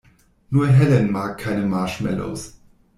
Nur Helen mag keine Marshmallows.